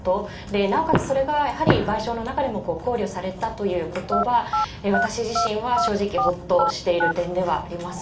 なおかつそれがやはり賠償の中でも考慮されたということは私自身は正直ほっとしている点ではあります。